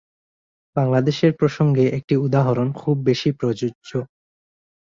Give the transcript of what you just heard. বাংলাদেশের প্রসঙ্গে একটি উদাহরণ খুব বেশি প্রযোজ্য।